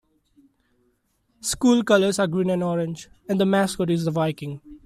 School colors are green and orange, and the mascot is the Viking.